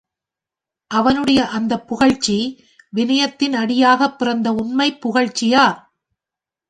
அவனுடைய அந்தப் புகழ்ச்சி விநயத்தின் அடியாகப் பிறந்த உண்மைப் புகழ்ச்சியா?